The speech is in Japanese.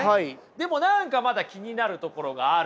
でも何かまだ気になるところがある。